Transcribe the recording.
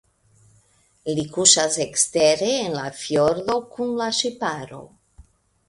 Li kuŝas ekstere en la fjordo kun la ŝiparo.